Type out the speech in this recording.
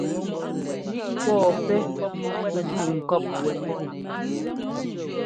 Pɔɔ pɛ́ ńzuu ŋkɔɔp wɛ.